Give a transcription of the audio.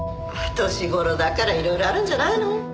年頃だから色々あるんじゃないの？